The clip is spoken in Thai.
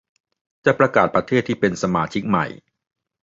จะประกาศประเทศที่เป็นสมาชิกใหม่